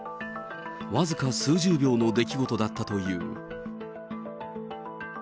僅か数十秒の出来事だったという。